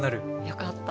よかった。